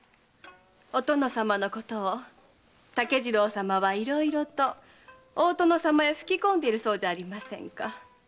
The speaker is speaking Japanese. お殿様のことを竹次郎様はいろいろと大殿様へ吹き込んでいるそうじゃありませんか。